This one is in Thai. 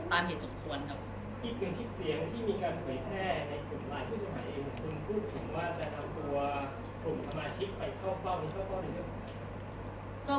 อีกหนึ่งทิศเสียงที่มีการเผยแทรกในกลุ่มหลายผู้สมัยเองคุณพูดถึงว่าจะนำตัวกลุ่มสมาชิกไปเข้าเฝ้านี้เข้าเฝ้าอยู่หรือเปล่า